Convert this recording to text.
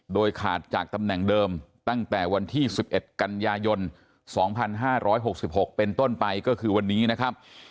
โดยขาดจากตำแหน่งเดิมตั้งแต่วันที่๑๑กันยายน๒๕๖๖เป็นต้นไปก็คือวันนี้นะครับ